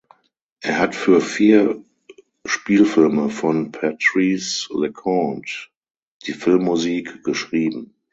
Er hat für vier Spielfilme von Patrice Leconte die Filmmusik geschrieben.